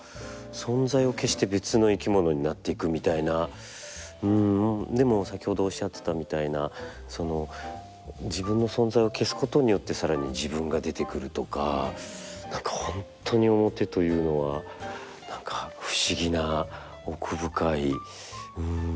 逆にこういう面をつけて一回でも先ほどおっしゃってたみたいな自分の存在を消すことによって更に自分が出てくるとか何か本当に面というのは何か不思議な奥深いうん。